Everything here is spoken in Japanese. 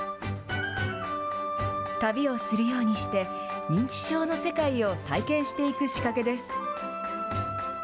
旅をするようにして、認知症の世界を体験していく仕掛けです。